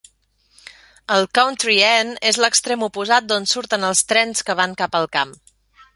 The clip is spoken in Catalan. El "country end" és l'extrem oposat, d'on surten els trens que van cap al camp.